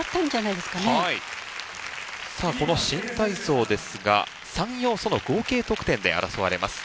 さあこの新体操ですが３要素の合計得点で争われます。